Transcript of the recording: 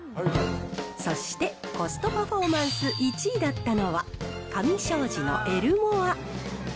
そして、コストパフォーマンス１位だったのは、カミ商事のエルモア。